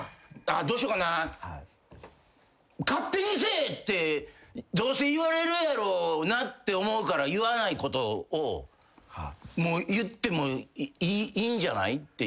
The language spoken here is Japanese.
どうしようかな。ってどうせ言われるやろうなって思うから言わないことをもう言ってもいいんじゃないっていう。